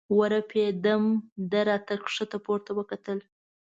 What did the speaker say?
ورپېدم، ده را ته ښکته پورته وکتل.